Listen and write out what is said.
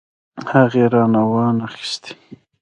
هغې رانه وانه خيستې.